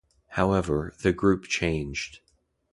However, the group changed.